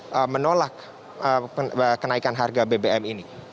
untuk menolak kenaikan harga bbm ini